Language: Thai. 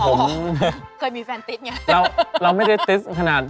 ความติ๊กนี่ทำให้มีปัญหากับแฟนไหม